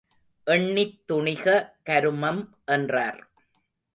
எண்ணித் துணிக கருமம் என்றார்.